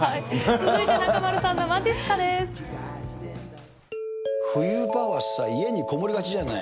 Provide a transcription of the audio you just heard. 続いて、中丸さんのまじっす冬場はさ、家に籠もりがちじゃない。